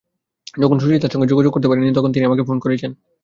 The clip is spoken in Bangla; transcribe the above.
যখন সুস্মিতার সঙ্গে যোগাযোগ করতে পারেননি, তখন তিনি আমাকে ফোন করেছেন।